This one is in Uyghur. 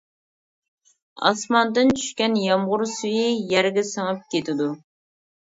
ئاسماندىن چۈشكەن يامغۇر سۈيى يەرگە سىڭىپ كېتىدۇ.